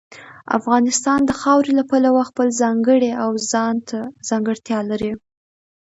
افغانستان د خاورې له پلوه خپله ځانګړې او ځانته ځانګړتیا لري.